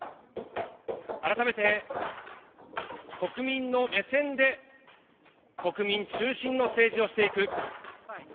改めて国民の目線で国民中心の政治をしていく。